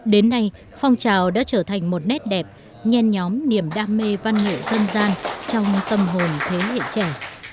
đến nay phong trào đã trở thành một nét đẹp nhen nhóm niềm đam mê văn nghệ dân gian trong tâm hồn thế hệ trẻ